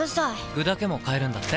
具だけも買えるんだって。